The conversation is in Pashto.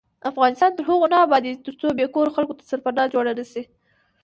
افغانستان تر هغو نه ابادیږي، ترڅو بې کوره خلکو ته سرپناه جوړه نشي.